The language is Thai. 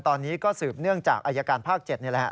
ตอนนี้ก็สืบเนื่องจากอายการภาค๗นี่แหละ